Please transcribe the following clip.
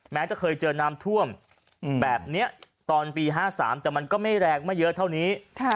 จะเคยเจอน้ำท่วมแบบนี้ตอนปี๕๓แต่มันก็ไม่แรงไม่เยอะเท่านี้